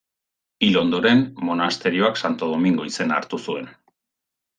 Hil ondoren, monasterioak Santo Domingo izena hartu zuen.